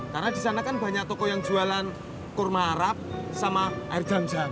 karena di sana kan banyak toko yang jualan kurma arab sama air jam jam